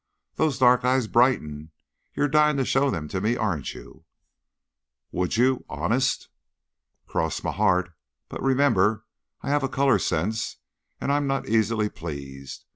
Those dark eyes brighten. You're dying to show them to me, aren't you?" "Would you? Honest?" "Cross my heart. But remember, I have a color sense and I'm not easily pleased.